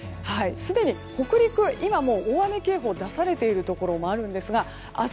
すでに北陸は今もう大雨警報が出されているところもあるんですが明日